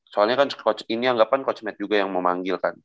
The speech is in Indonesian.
soalnya kan coach ini anggapan coach matt juga yang mau manggil kan